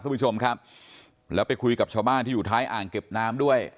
คุณผู้ชมครับแล้วไปคุยกับชาวบ้านที่อยู่ท้ายอ่างเก็บน้ำด้วย